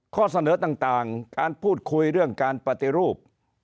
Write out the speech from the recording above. ข้อเสนอต่างการพูดคุยเรื่องการปฏิรูป